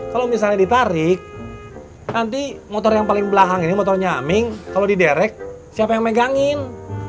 kalau misalnya ditarik nanti motor yang paling belakang ini motornya aming kalau diderek siapa yang megangin